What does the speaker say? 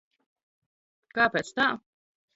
K?p?c t??